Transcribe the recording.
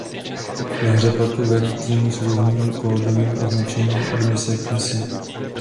Ve hře pak velí týmu s různým kódovým označením od mise k misi.